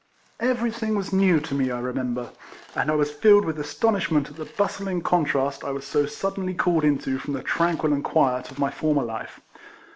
Everything was new to me, I remember, RIFLEMAN HARRIS. 9 and I was filled with astonishment at the basthng contrast I was so suddenly called into from the tranquil and quiet of my former life.